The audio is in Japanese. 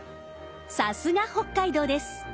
さすが北海道です。